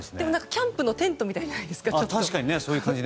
キャンプのテントみたいじゃないですか。